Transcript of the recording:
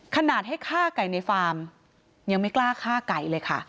ขนาดให้ฆ่าไก่ในฟาร์มยังไม่กล้าฆ่าไก่เลยค่ะ